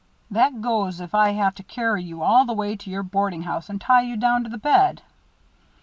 That goes if I have to carry you all the way to your boarding house and tie you down to the bed."